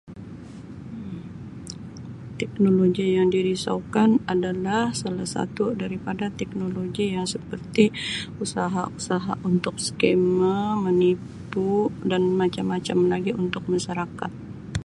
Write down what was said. Teknologi yang dirisau kan adalah salah satu daripada teknologi yang seperti usaha-usaha untuk scammer, menipu dan macam-macam lagi untuk masyarakat.